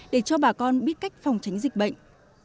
để cho bà con biết cách phòng tránh dịch bệnh